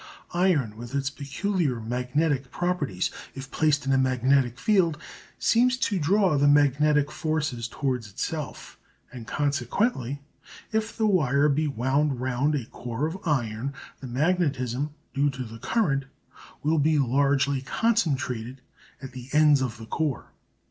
Iron, with its peculiar magnetic properties, if placed in a magnetic field seems to draw the magnetic forces towards itself, and consequently, if the wire be wound round a core of iron, the magnetism due to the current will be largely concentrated at the ends of the core.